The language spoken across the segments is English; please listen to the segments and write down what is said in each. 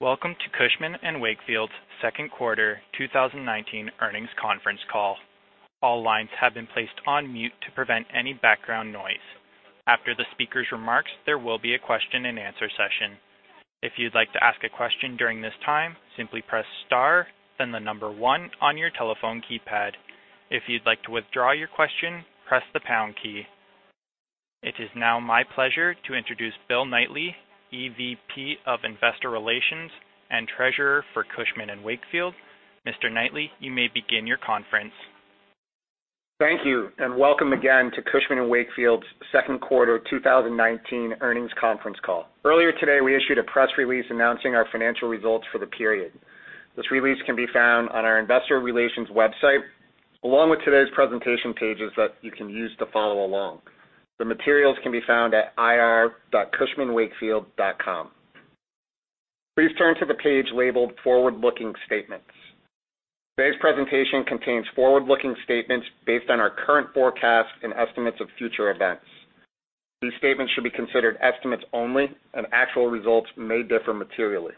Welcome to Cushman & Wakefield's second quarter 2019 earnings conference call. All lines have been placed on mute to prevent any background noise. After the speaker's remarks, there will be a question and answer session. If you'd like to ask a question during this time, simply press star, then the number one on your telephone keypad. If you'd like to withdraw your question, press the pound key. It is now my pleasure to introduce Bill Knightly, EVP of Investor Relations and Treasurer for Cushman & Wakefield. Mr. Knightly, you may begin your conference. Thank you, welcome again to Cushman & Wakefield's second quarter 2019 earnings conference call. Earlier today, we issued a press release announcing our financial results for the period. This release can be found on our investor relations website, along with today's presentation pages that you can use to follow along. The materials can be found at ir.cushmanwakefield.com. Please turn to the page labeled "Forward-Looking Statements." Today's presentation contains forward-looking statements based on our current forecasts and estimates of future events. These statements should be considered estimates only, and actual results may differ materially.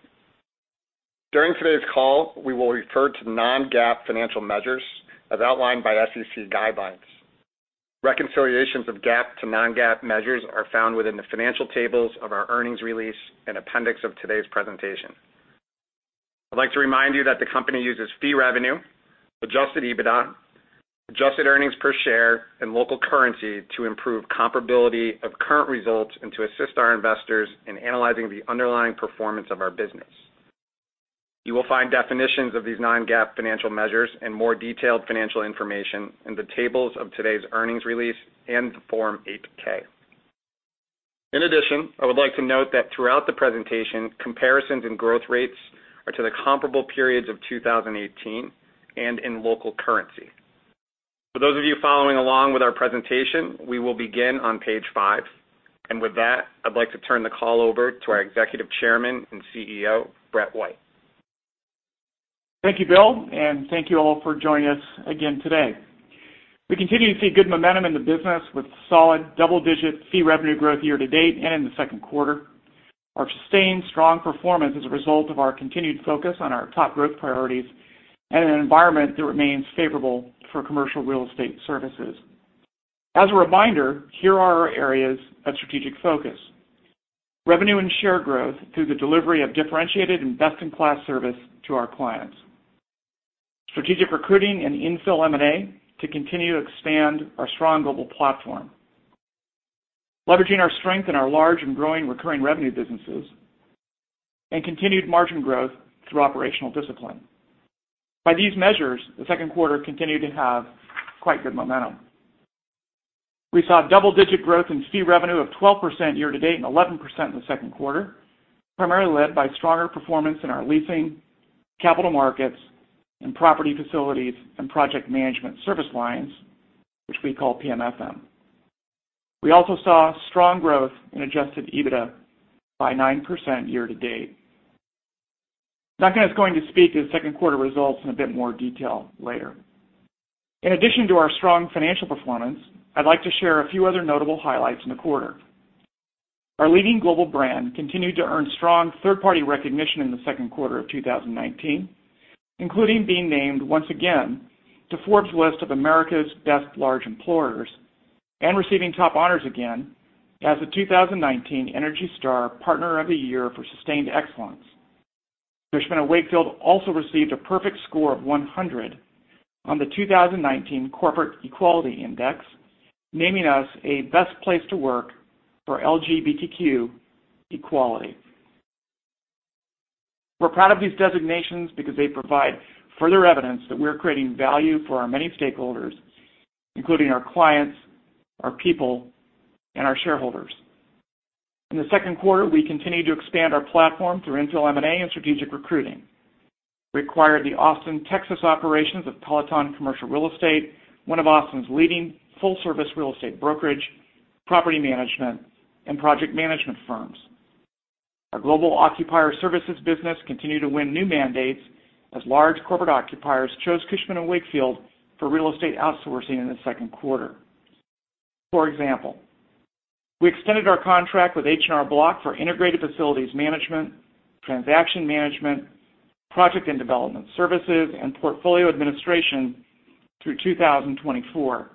During today's call, we will refer to non-GAAP financial measures as outlined by SEC guidelines. Reconciliations of GAAP to non-GAAP measures are found within the financial tables of our earnings release and appendix of today's presentation. I'd like to remind you that the company uses fee revenue, adjusted EBITDA, adjusted earnings per share, and local currency to improve comparability of current results and to assist our investors in analyzing the underlying performance of our business. You will find definitions of these non-GAAP financial measures and more detailed financial information in the tables of today's earnings release and the Form 8-K. In addition, I would like to note that throughout the presentation, comparisons and growth rates are to the comparable periods of 2018 and in local currency. For those of you following along with our presentation, we will begin on page five. With that, I'd like to turn the call over to our Executive Chairman and CEO, Brett White. Thank you, Bill, and thank you all for joining us again today. We continue to see good momentum in the business with solid double-digit fee revenue growth year-to-date and in the second quarter. Our sustained strong performance is a result of our continued focus on our top growth priorities and an environment that remains favorable for commercial real estate services. As a reminder, here are our areas of strategic focus. Revenue and share growth through the delivery of differentiated and best-in-class service to our clients. Strategic recruiting and infill M&A to continue to expand our strong global platform. Leveraging our strength in our large and growing recurring revenue businesses, and continued margin growth through operational discipline. By these measures, the second quarter continued to have quite good momentum. We saw double-digit growth in fee revenue of 12% year-to-date and 11% in the second quarter, primarily led by stronger performance in our leasing, capital markets, and property facilities and Project Management service lines, which we call PMFM. We also saw strong growth in adjusted EBITDA by 9% year-to-date. Duncan is going to speak to the second quarter results in a bit more detail later. In addition to our strong financial performance, I'd like to share a few other notable highlights in the quarter. Our leading global brand continued to earn strong third-party recognition in the second quarter of 2019, including being named once again to Forbes list of America's Best Large Employers and receiving top honors again as the 2019 Energy Star Partner of the Year for sustained excellence. Cushman & Wakefield also received a perfect score of 100 on the 2019 Corporate Equality Index, naming us a best place to work for LGBTQ equality. We're proud of these designations because they provide further evidence that we're creating value for our many stakeholders, including our clients, our people, and our shareholders. In the second quarter, we continued to expand our platform through infill M&A and strategic recruiting. We acquired the Austin, Texas, operations of Peloton Commercial Real Estate, one of Austin's leading full-service real estate brokerage, property management, and project management firms. Our Global Occupier Services business continued to win new mandates as large corporate occupiers chose Cushman & Wakefield for real estate outsourcing in the second quarter. For example, we extended our contract with H&R Block for Integrated Facilities Management, Transaction Management, Project and Development Services, and portfolio administration through 2024.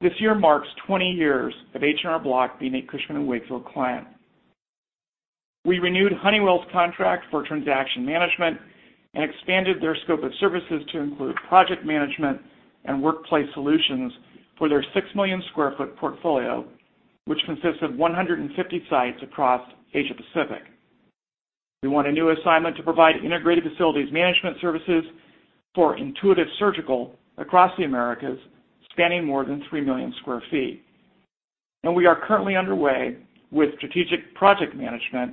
This year marks 20 years of H&R Block being a Cushman & Wakefield client. We renewed Honeywell's contract for transaction management and expanded their scope of services to include project management and workplace solutions for their 6 million sq ft portfolio, which consists of 150 sites across Asia Pacific. We won a new assignment to provide integrated facilities management services for Intuitive Surgical across the Americas, spanning more than 3 million sq ft. We are currently underway with strategic project management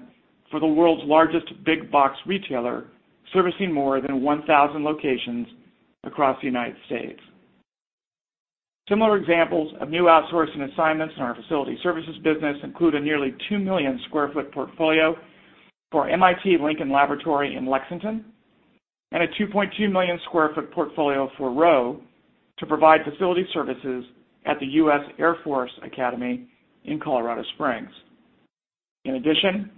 for the world's largest big box retailer, servicing more than 1,000 locations across the U.S. Similar examples of new outsourcing assignments in our facility services business include a nearly 2 million sq ft portfolio for MIT Lincoln Laboratory in Lexington. A 2.2 million sq ft portfolio for Rowe to provide facility services at the U.S. Air Force Academy in Colorado Springs. In addition,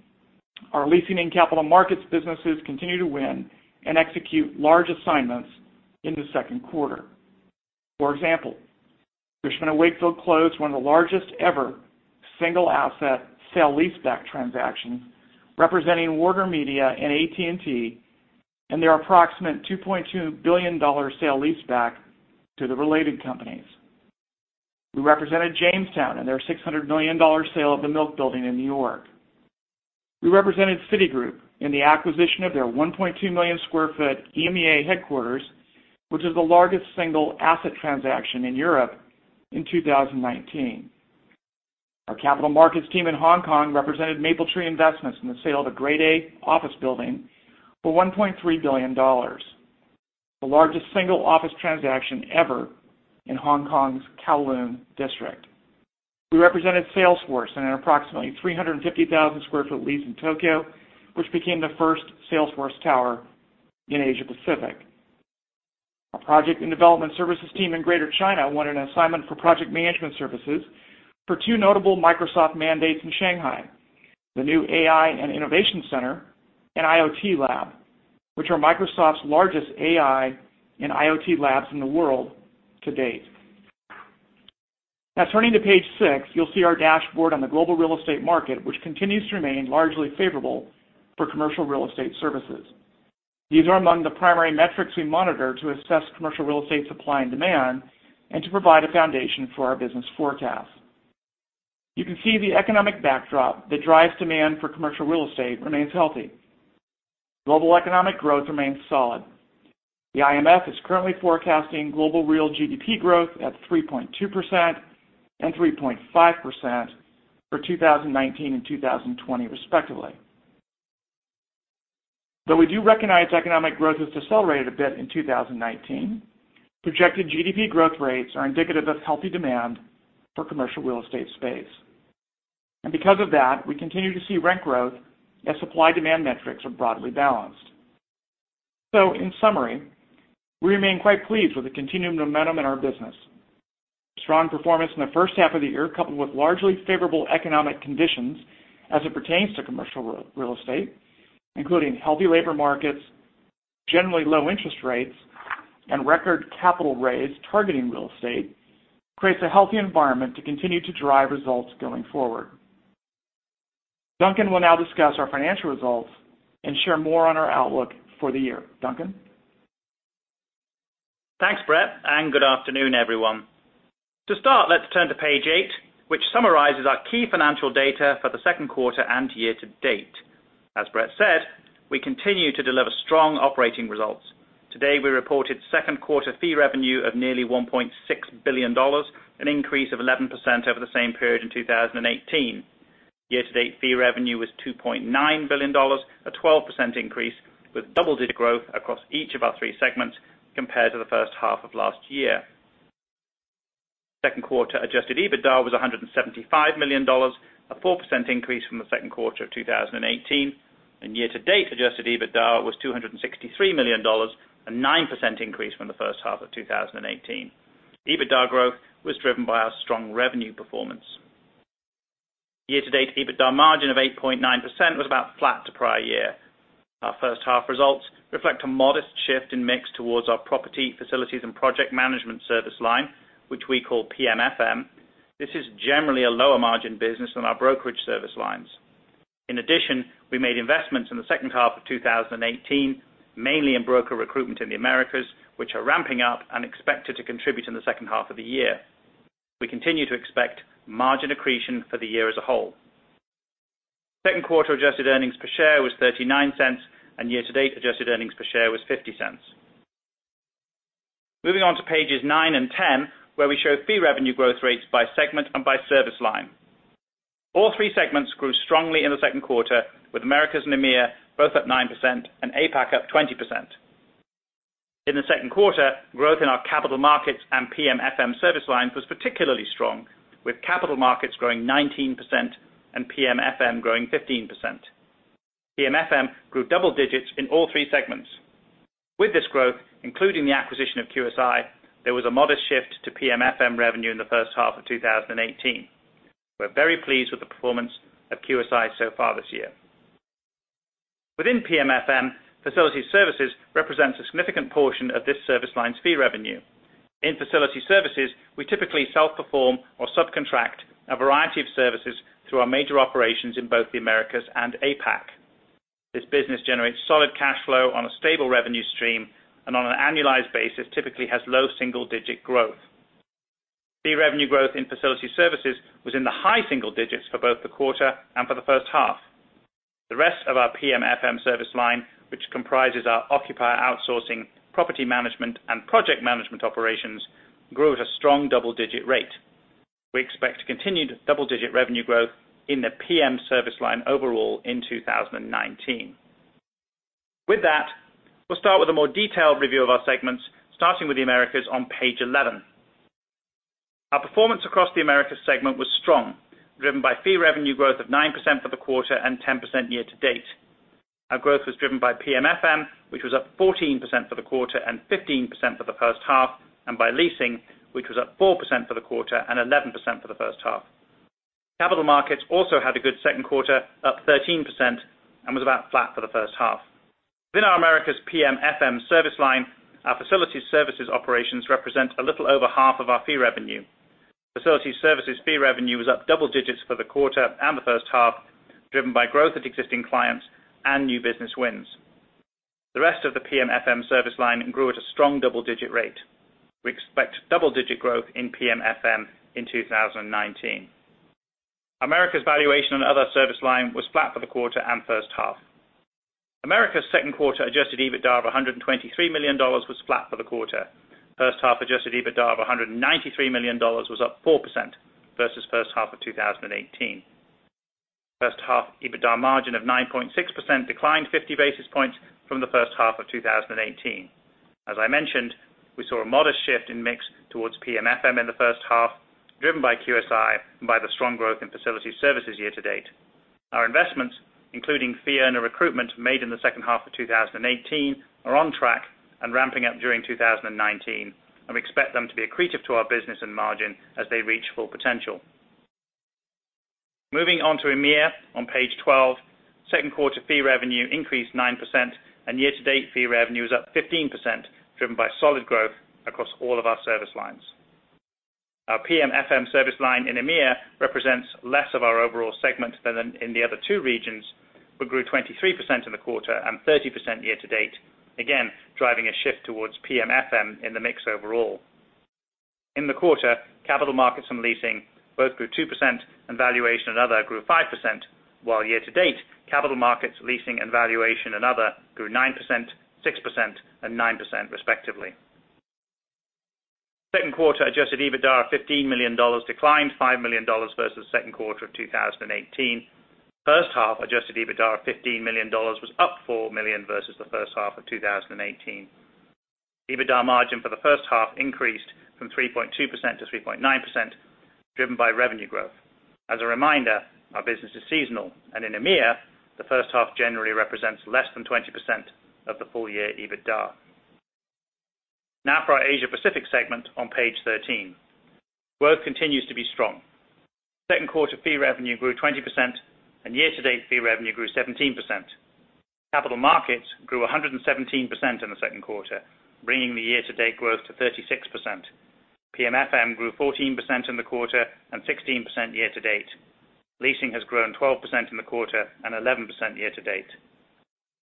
our leasing and capital markets businesses continue to win and execute large assignments in the second quarter. For example, Cushman & Wakefield closed one of the largest ever single asset sale-leaseback transactions representing WarnerMedia and AT&T in their approximate $2.2 billion sale-leaseback to the related companies. We represented Jamestown in their $600 million sale of the Milk Building in New York. We represented Citigroup in the acquisition of their 1.2 million square foot EMEA headquarters, which is the largest single asset transaction in Europe in 2019. Our capital markets team in Hong Kong represented Mapletree Investments in the sale of a Grade A office building for $1.3 billion, the largest single office transaction ever in Hong Kong's Kowloon district. We represented Salesforce in an approximately 350,000 square foot lease in Tokyo, which became the first Salesforce Tower in Asia-Pacific. Our Project and Development Services team in Greater China won an assignment for Project Management services for two notable Microsoft mandates in Shanghai, the new AI and Innovation Center and IoT lab, which are Microsoft's largest AI and IoT labs in the world to date. Now turning to page six, you'll see our dashboard on the global real estate market, which continues to remain largely favorable for commercial real estate services. These are among the primary metrics we monitor to assess commercial real estate supply and demand and to provide a foundation for our business forecast. You can see the economic backdrop that drives demand for commercial real estate remains healthy. Global economic growth remains solid. The IMF is currently forecasting global real GDP growth at 3.2% and 3.5% for 2019 and 2020, respectively. Though we do recognize economic growth has decelerated a bit in 2019, projected GDP growth rates are indicative of healthy demand for commercial real estate space. Because of that, we continue to see rent growth as supply-demand metrics are broadly balanced. In summary, we remain quite pleased with the continuing momentum in our business. Strong performance in the first half of the year, coupled with largely favorable economic conditions as it pertains to commercial real estate, including healthy labor markets, generally low interest rates, and record capital raised targeting real estate, creates a healthy environment to continue to drive results going forward. Duncan will now discuss our financial results and share more on our outlook for the year. Duncan? Thanks, Brett, and good afternoon, everyone. To start, let's turn to page eight, which summarizes our key financial data for the second quarter and year to date. As Brett said, we continue to deliver strong operating results. Today, we reported second quarter fee revenue of nearly $1.6 billion, an increase of 11% over the same period in 2018. Year to date, fee revenue was $2.9 billion, a 12% increase, with double-digit growth across each of our three segments compared to the first half of last year. Second quarter adjusted EBITDA was $175 million, a 4% increase from the second quarter of 2018. Year to date, adjusted EBITDA was $263 million, a 9% increase from the first half of 2018. EBITDA growth was driven by our strong revenue performance. Year to date, EBITDA margin of 8.9% was about flat to prior year. Our first half results reflect a modest shift in mix towards our property facilities and Project Management service line, which we call PMFM. This is generally a lower margin business than our brokerage service lines. In addition, we made investments in the second half of 2018, mainly in broker recruitment in the Americas, which are ramping up and expected to contribute in the second half of the year. We continue to expect margin accretion for the year as a whole. Second quarter adjusted earnings per share was $0.39, and year to date, adjusted earnings per share was $0.50. Moving on to pages nine and 10, where we show fee revenue growth rates by segment and by service line. All three segments grew strongly in the second quarter, with Americas and EMEA both up 9% and APAC up 20%. In the second quarter, growth in our capital markets and PMFM service lines was particularly strong, with capital markets growing 19% and PMFM growing 15%. PMFM grew double digits in all three segments. With this growth, including the acquisition of QSI, there was a modest shift to PMFM revenue in the first half of 2018. We're very pleased with the performance of QSI so far this year. Within PMFM, facility services represents a significant portion of this service line's fee revenue. In facility services, we typically self-perform or subcontract a variety of services through our major operations in both the Americas and APAC. This business generates solid cash flow on a stable revenue stream and on an annualized basis, typically has low single-digit growth. Fee revenue growth in facility services was in the high single digits for both the quarter and for the first half. The rest of our PMFM service line, which comprises our occupier outsourcing, property management, and Project Management operations, grew at a strong double-digit rate. We expect continued double-digit revenue growth in the PM service line overall in 2019. With that, we'll start with a more detailed review of our segments, starting with the Americas on page 11. Our performance across the Americas segment was strong, driven by fee revenue growth of 9% for the quarter and 10% year to date. Our growth was driven by PMFM, which was up 14% for the quarter and 15% for the first half, and by leasing, which was up 4% for the quarter and 11% for the first half. capital markets also had a good second quarter, up 13%, and was about flat for the first half. Within our Americas PMFM service line, our Facility Services operations represent a little over half of our fee revenue. Facility Services fee revenue was up double digits for the quarter and the first half, driven by growth at existing clients and new business wins. The rest of the PMFM service line grew at a strong double-digit rate. We expect double-digit growth in PMFM in 2019. Americas Valuation and other service line was flat for the quarter and first half. Americas' second quarter adjusted EBITDA of $123 million was flat for the quarter. First half adjusted EBITDA of $193 million was up 4% versus first half of 2018. First half EBITDA margin of 9.6% declined 50 basis points from the first half of 2018. As I mentioned, we saw a modest shift in mix towards PMFM in the first half, driven by QSI and by the strong growth in Facility Services year to date. Our investments, including fee earner recruitment made in the second half of 2018, are on track and ramping up during 2019, and we expect them to be accretive to our business and margin as they reach full potential. Moving on to EMEA on page 12, second quarter fee revenue increased 9%, and year to date fee revenue is up 15%, driven by solid growth across all of our service lines. Our PMFM service line in EMEA represents less of our overall segment than in the other two regions, but grew 23% in the quarter and 30% year to date, again, driving a shift towards PMFM in the mix overall. In the quarter, capital markets and leasing both grew 2%, and valuation and other grew 5%, while year-to-date, capital markets, leasing, and valuation and other grew 9%, 6%, and 9% respectively. Second quarter adjusted EBITDA of $15 million declined $5 million versus second quarter of 2018. First half adjusted EBITDA of $15 million was up $4 million versus the first half of 2018. EBITDA margin for the first half increased from 3.2% to 3.9%, driven by revenue growth. As a reminder, our business is seasonal, and in EMEA, the first half generally represents less than 20% of the full year EBITDA. Now for our Asia Pacific segment on page 13. Growth continues to be strong. Second quarter fee revenue grew 20%, and year-to-date fee revenue grew 17%. Capital markets grew 117% in the second quarter, bringing the year-to-date growth to 36%. PMFM grew 14% in the quarter and 16% year-to-date. Leasing has grown 12% in the quarter and 11% year-to-date.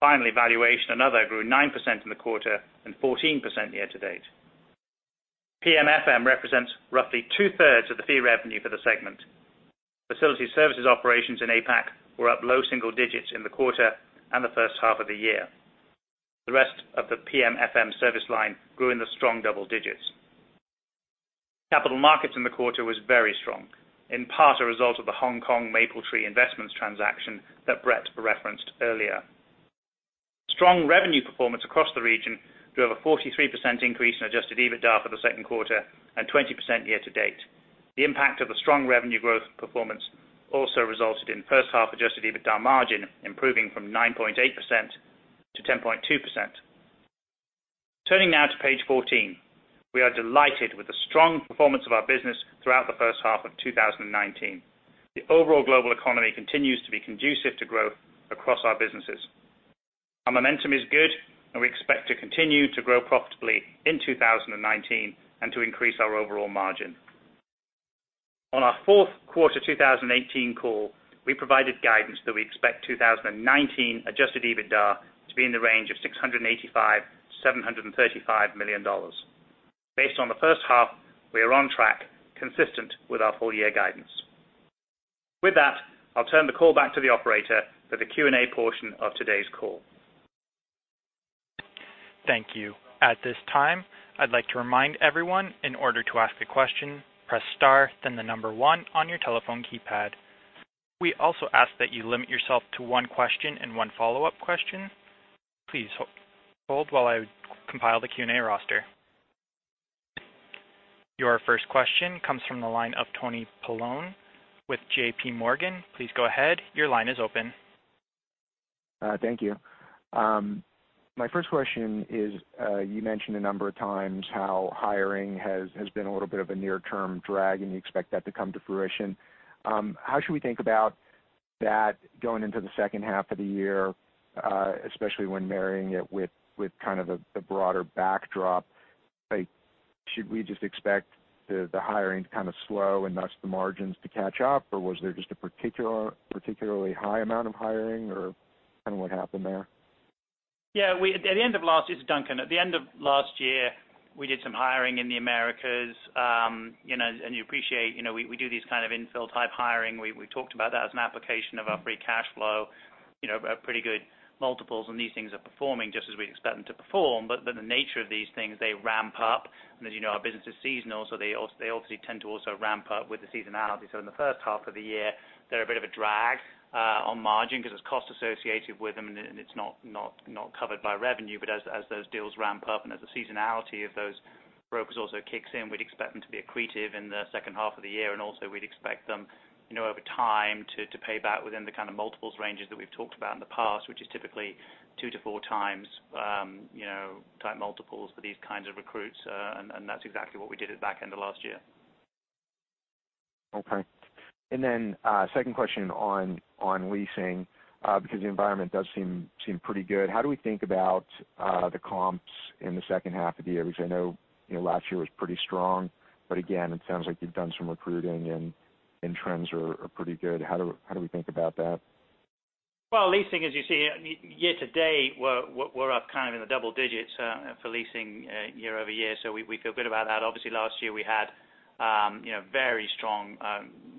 Finally, Valuation and other grew 9% in the quarter and 14% year-to-date. PMFM represents roughly two-thirds of the fee revenue for the segment. Facility Services operations in APAC were up low single digits in the quarter and the first half of the year. The rest of the PMFM service line grew in the strong double digits. Capital markets in the quarter was very strong, in part a result of the Hong Kong Mapletree Investments transaction that Brett referenced earlier. Strong revenue performance across the region drove a 43% increase in adjusted EBITDA for the second quarter and 20% year-to-date. The impact of the strong revenue growth performance also resulted in first half adjusted EBITDA margin improving from 9.8% to 10.2%. Turning now to page 14. We are delighted with the strong performance of our business throughout the first half of 2019. The overall global economy continues to be conducive to growth across our businesses. Our momentum is good, and we expect to continue to grow profitably in 2019 and to increase our overall margin. On our fourth quarter 2018 call, we provided guidance that we expect 2019 adjusted EBITDA to be in the range of $685 million-$735 million. Based on the first half, we are on track, consistent with our full year guidance. With that, I'll turn the call back to the operator for the Q&A portion of today's call. Thank you. At this time, I'd like to remind everyone, in order to ask a question, press star, then the number 1 on your telephone keypad. We also ask that you limit yourself to one question and one follow-up question. Please hold while I compile the Q&A roster. Your first question comes from the line of Tony Paolone with JPMorgan. Please go ahead. Your line is open. Thank you. My first question is, you mentioned a number of times how hiring has been a little bit of a near-term drag, and you expect that to come to fruition. How should we think about that going into the second half of the year, especially when marrying it with the broader backdrop? Should we just expect the hiring to slow and thus the margins to catch up? Was there just a particularly high amount of hiring? What happened there? This is Duncan. At the end of last year, we did some hiring in the Americas. You appreciate we do these kind of infill type hiring. We talked about that as an application of our free cash flow. Pretty good multiples on these things are performing just as we expect them to perform. The nature of these things, they ramp up. As you know, our business is seasonal, so they obviously tend to also ramp up with the seasonality. In the first half of the year, they're a bit of a drag on margin because there's cost associated with them and it's not covered by revenue. As those deals ramp and as the seasonality of those brokers also kicks in, we'd expect them to be accretive in the second half of the year. Also we'd expect them, over time, to pay back within the kind of multiples ranges that we've talked about in the past, which is typically 2x-4x multiples for these kinds of recruits. That's exactly what we did at the back end of last year. Okay. Second question on leasing, because the environment does seem pretty good. How do we think about the comps in the second half of the year? I know last year was pretty strong, but again, it sounds like you've done some recruiting and trends are pretty good. How do we think about that? Well, leasing, as you see year to date, we're up kind of in the double digits for leasing year-over-year. We feel good about that. Obviously, last year we had very strong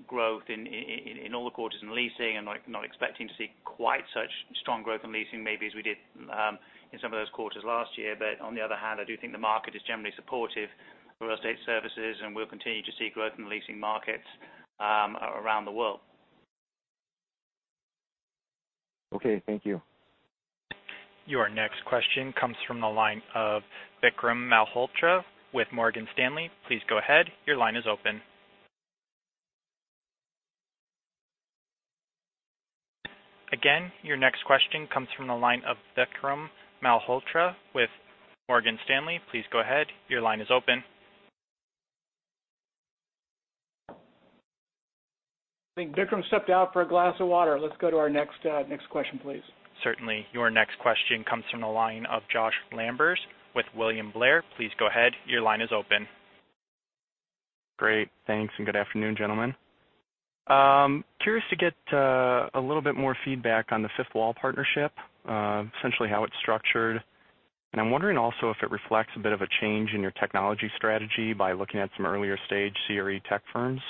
growth in all the quarters in leasing and not expecting to see quite such strong growth in leasing maybe as we did in some of those quarters last year. On the other hand, I do think the market is generally supportive of real estate services, and we'll continue to see growth in the leasing markets around the world. Okay, thank you. Your next question comes from the line of Vikram Malhotra with Morgan Stanley. Please go ahead. Your line is open. Your next question comes from the line of Vikram Malhotra with Morgan Stanley. Please go ahead. Your line is open. I think Vikram stepped out for a glass of water. Let's go to our next question, please. Certainly. Your next question comes from the line of Josh Lamers with William Blair. Please go ahead. Your line is open. Great. Thanks, and good afternoon, gentlemen. Curious to get a little bit more feedback on the Fifth Wall partnership, essentially how it's structured. I'm wondering also if it reflects a bit of a change in your technology strategy by looking at some earlier stage CRE tech firms,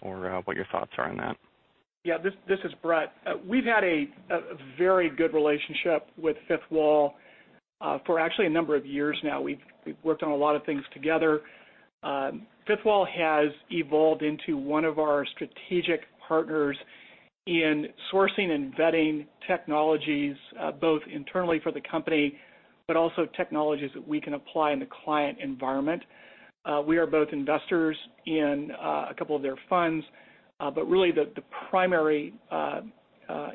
or what your thoughts are on that. Yeah, this is Brett. We've had a very good relationship with Fifth Wall for actually a number of years now. We've worked on a lot of things together. Fifth Wall has evolved into one of our strategic partners in sourcing and vetting technologies, both internally for the company, but also technologies that we can apply in the client environment. We are both investors in a couple of their funds. Really the primary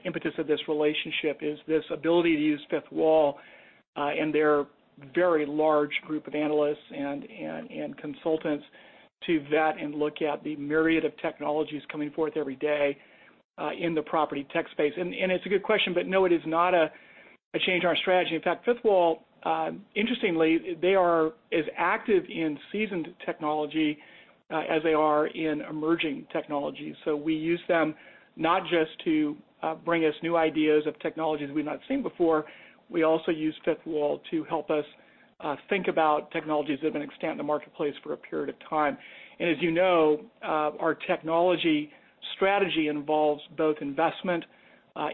impetus of this relationship is this ability to use Fifth Wall and their very large group of analysts and consultants to vet and look at the myriad of technologies coming forth every day in the property tech space. It's a good question, but no, it is not a change in our strategy. In fact, Fifth Wall, interestingly, they are as active in seasoned technology as they are in emerging technology. We use them not just to bring us new ideas of technologies we've not seen before. We also use Fifth Wall to help us think about technologies that have been extant in the marketplace for a period of time. As you know, our technology strategy involves both investment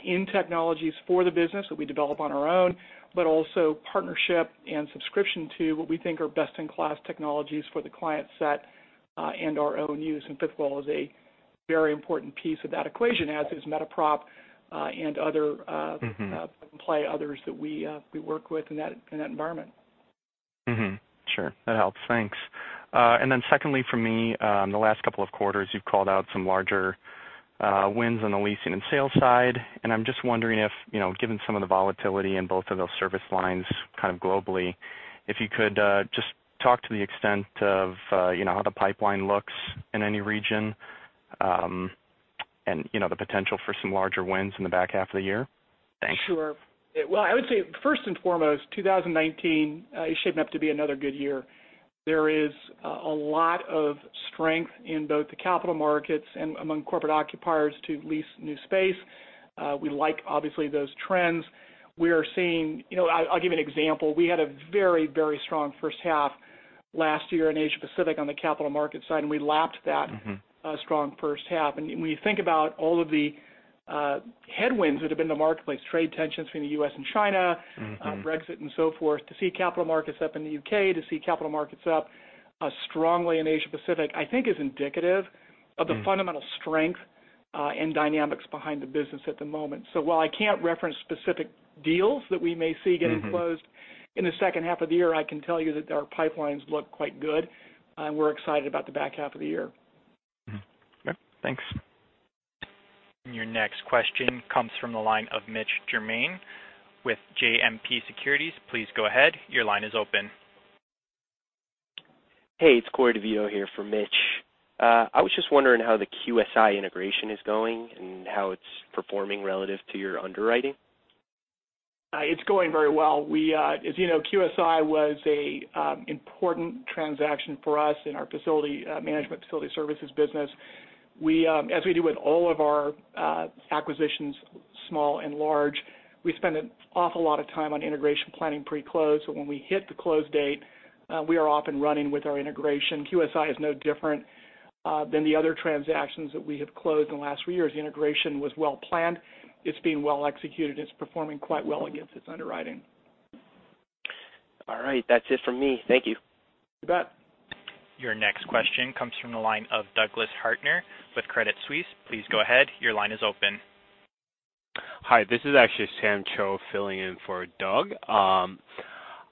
in technologies for the business that we develop on our own, but also partnership and subscription to what we think are best-in-class technologies for the client set and our own use. Fifth Wall is a very important piece of that equation, as is MetaProp. others that we work with in that environment. Sure. That helps. Thanks. Secondly for me, in the last couple of quarters, you've called out some larger wins on the leasing and sales side. I'm just wondering if, given some of the volatility in both of those service lines kind of globally, if you could just talk to the extent of how the pipeline looks in any region, the potential for some larger wins in the back half of the year. Thanks. Sure. Well, I would say first and foremost, 2019 is shaping up to be another good year. There is a lot of strength in both the capital markets and among corporate occupiers to lease new space. We like, obviously, those trends. I'll give you an example. We had a very strong first half last year in Asia Pacific on the capital markets side, and we lapped that- strong first half. When you think about all of the headwinds that have been in the marketplace, trade tensions between the U.S. and China. Brexit and so forth, to see capital markets up in the U.K., to see capital markets up strongly in Asia Pacific, I think is indicative of the fundamental strength and dynamics behind the business at the moment. While I can't reference specific deals that we may see getting closed in the second half of the year, I can tell you that our pipelines look quite good, and we're excited about the back half of the year. Mm-hmm. Okay, thanks. Your next question comes from the line of Mitch Germain with JMP Securities. Please go ahead. Your line is open. Hey, it's Corey DeVito here for Mitch. I was just wondering how the QSI integration is going and how it's performing relative to your underwriting. It's going very well. As you know, QSI was a important transaction for us in our facility management, Facility Services business. As we do with all of our acquisitions, small and large, we spend an awful lot of time on integration planning pre-close. When we hit the close date, we are off and running with our integration. QSI is no different than the other transactions that we have closed in the last three years. The integration was well-planned. It's being well executed. It's performing quite well against its underwriting. All right. That's it from me. Thank you. You bet. Your next question comes from the line of Douglas Harter with Credit Suisse. Please go ahead. Your line is open. Hi, this is actually Sam Cho filling in for Doug.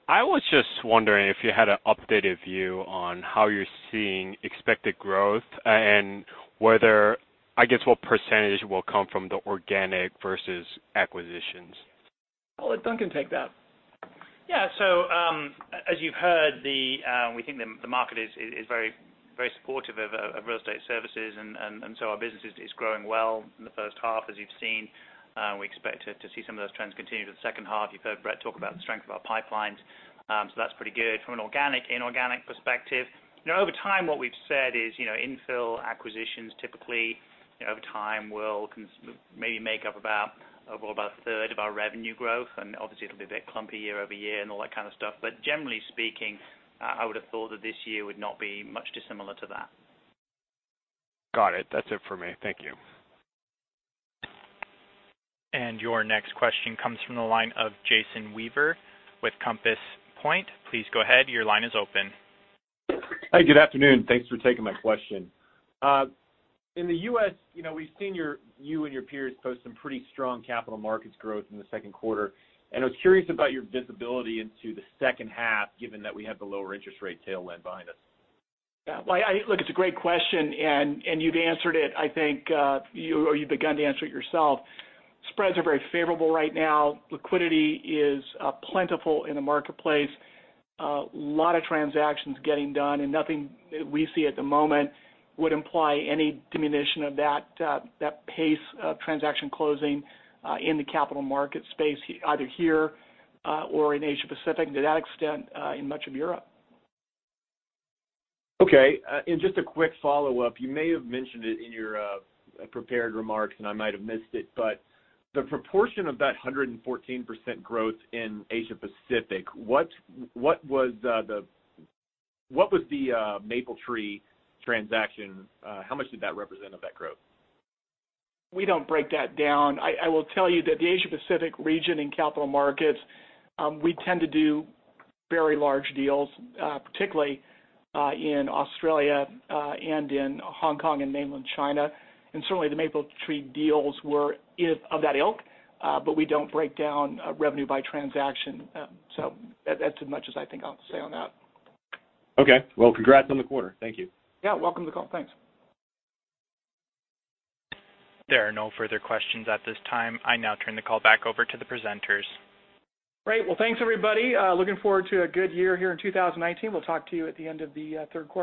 I was just wondering if you had an updated view on how you're seeing expected growth and whether, I guess, what % will come from the organic versus acquisitions? I'll let Duncan take that. Yeah. As you've heard, we think the market is very supportive of real estate services, our business is growing well in the first half, as you've seen. We expect to see some of those trends continue through the second half. You've heard Brett talk about the strength of our pipelines. That's pretty good from an organic, inorganic perspective. Over time, what we've said is infill acquisitions typically over time will maybe make up about a third of our revenue growth, obviously it'll be a bit clumpy year-over-year and all that kind of stuff. Generally speaking, I would've thought that this year would not be much dissimilar to that. Got it. That's it for me. Thank you. Your next question comes from the line of Jason Weaver with Compass Point. Please go ahead. Your line is open. Hi, good afternoon. Thanks for taking my question. In the U.S., we've seen you and your peers post some pretty strong capital markets growth in the second quarter. I was curious about your visibility into the second half, given that we have the lower interest rate tailwind behind us. Yeah. Look, it's a great question, and you've answered it, I think, or you've begun to answer it yourself. Spreads are very favorable right now. Liquidity is plentiful in the marketplace. A lot of transactions getting done. Nothing we see at the moment would imply any diminution of that pace of transaction closing in the capital market space, either here or in Asia Pacific, to that extent, in much of Europe. Okay. Just a quick follow-up, you may have mentioned it in your prepared remarks, and I might have missed it, but the proportion of that 114% growth in Asia Pacific, what was the Mapletree transaction? How much did that represent of that growth? We don't break that down. I will tell you that the Asia Pacific region in capital markets, we tend to do very large deals, particularly in Australia and in Hong Kong and Mainland China. Certainly, the Mapletree deals were of that ilk. We don't break down revenue by transaction. That's as much as I think I'll say on that. Okay. Well, congrats on the quarter. Thank you. Yeah. Welcome to call. Thanks. There are no further questions at this time. I now turn the call back over to the presenters. Great. Well, thanks everybody. Looking forward to a good year here in 2019. We'll talk to you at the end of the third quarter.